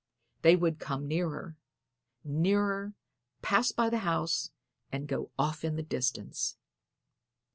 They would come nearer, nearer, pass by the house, and go off in the distance.